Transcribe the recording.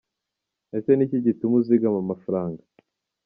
Ese ni iki gituma uzigama amafaranga?.